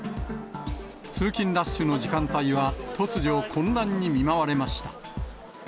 通勤ラッシュの時間帯は、突如、混乱に見舞われました。